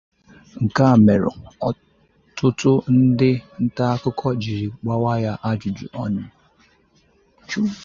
Nke a mere ọtụtụ ndị nta akụkọ jiri gbawa ya ajụjụ